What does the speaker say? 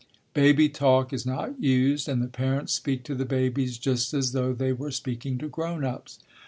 "Baby talk" is not used and the parents speak to the babies just as though they were speaking to grown ups.